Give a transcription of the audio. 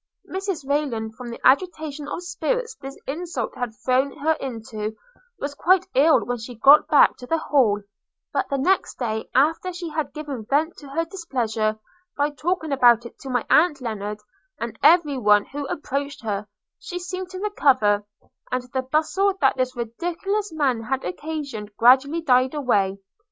Mrs Rayland, from the agitation of spirits this insult had thrown her into, was quite ill when she got back to the Hall; but the next day, after she had given vent to her displeasure, by talking about it to my aunt Lennard, and every one who approached her, she seemed to recover; and the bustle that this ridiculous man had occasioned gradually died away.